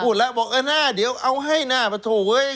พูดแล้วบอกเออหน้าเดี๋ยวเอาให้หน้าปะโถเว้ย